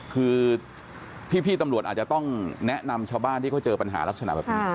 คือพี่ตำรวจอาจจะต้องแนะนำชาวบ้านที่เขาเจอปัญหาลักษณะแบบนี้